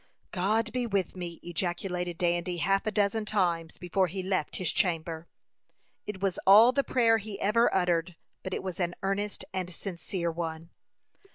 "God be with me!" ejaculated Dandy, half a dozen times before he left his chamber. It was all the prayer he ever uttered, but it was an earnest and sincere one.